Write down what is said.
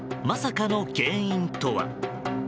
まさかの原因とは。